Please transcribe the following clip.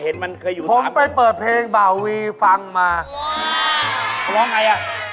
กรุงเครียร์หน่อย